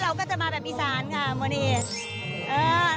เราก็จะมาแบบอีสานค่ะวันนี้